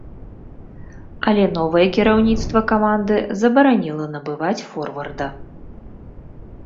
Але новае кіраўніцтва каманды забараніла набываць форварда.